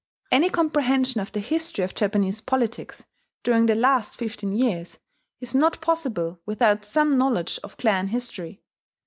Any comprehension of the history of Japanese politics during the last fifteen years is not possible without some knowledge of clan history.